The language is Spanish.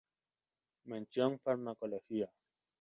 Mención Farmacología.